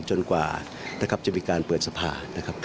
จนกว่าจะมีการเปิดสภานะครับ